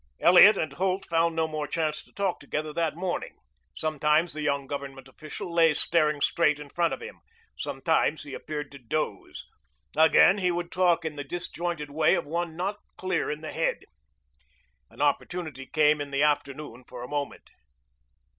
Elliot and Holt found no more chance to talk together that morning. Sometimes the young Government official lay staring straight in front of him. Sometimes he appeared to doze. Again he would talk in the disjointed way of one not clear in the head. An opportunity came in the afternoon for a moment.